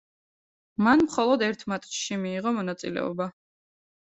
მან მხოლოდ ერთ მატჩში მიიღო მონაწილეობა.